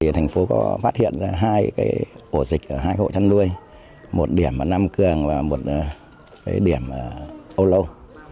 thành phố có phát hiện hai ổ dịch ở hai hộ chăn nuôi một điểm là nam cường và một điểm là âu lạc